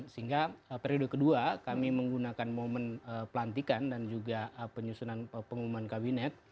sehingga periode kedua kami menggunakan momen pelantikan dan juga penyusunan pengumuman kabinet